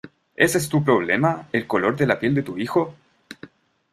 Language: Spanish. ¿ ese es tu problema, el color de la piel de tu hijo?